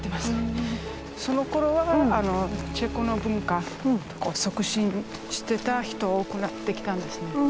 そのころはチェコの文化促進してた人多くなってきたんですね。